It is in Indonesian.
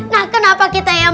nah kenapa kita yang